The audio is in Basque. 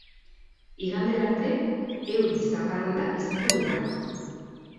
Igandera arte, euri-zaparradak izango dira.